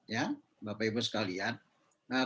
ya bapak ibu sekalian